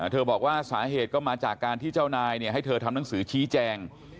บอกว่าสาเหตุก็มาจากการที่เจ้านายให้เธอทำหนังสือชี้แจง